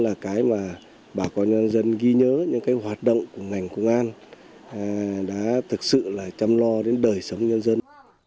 đó là cái mà bà con nhân dân ghi nhớ những cái hoạt động của ngành công an đã thực sự là chăm lo đến đời sống nhân dân